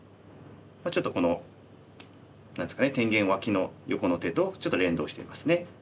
ちょっとこの何ですかね天元脇の横の手とちょっと連動していますね。